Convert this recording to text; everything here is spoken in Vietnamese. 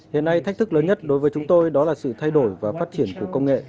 hiện nay thách thức lớn nhất đối với chúng tôi đó là sự thay đổi và phát triển của công nghệ